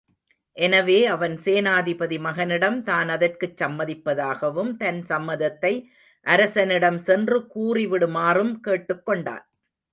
எனவே அவன் சேனாதிபதி மகனிடம் தான் அதற்குச் சம்மதிப்பதாகவும், தன் சம்மதத்தை அரசனிடம் சென்று கூறிவிடுமாறும் கேட்டுக்கொண்டான்.